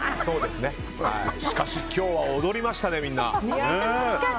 しかし今日は踊りましたねみんな。